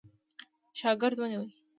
شاګرد ونیوی.